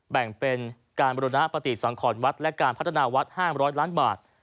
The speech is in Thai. แบ่งเป็นการบุรณปฏิสังขรวัดและการพัฒนาวัด๕๐๐ล้านบาท